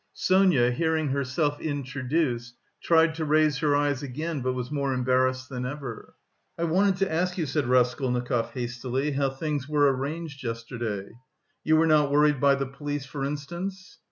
Sonia, hearing herself introduced, tried to raise her eyes again, but was more embarrassed than ever. "I wanted to ask you," said Raskolnikov, hastily, "how things were arranged yesterday. You were not worried by the police, for instance?"